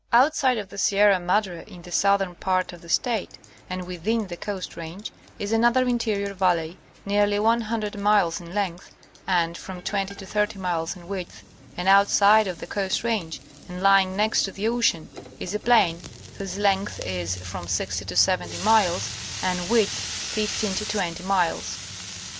Outside of the Sierra Madre in the southern part of the •State, and within the Coast Range, is another interior valley, nearly 100 miles in length and from 20 to 30 miles in width, and outside of the Coast Range, and lying next to the ocean, is a plain whose length is from 60 to 70 miles, and width 15 to 20 miles.